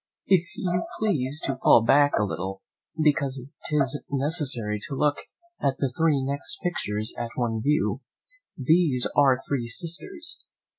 "If you please to fall back a little, because 'tis necessary to look at the three next pictures at one view; these are three sisters.